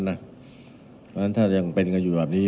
เพราะฉะนั้นถ้ายังเป็นกันอยู่แบบนี้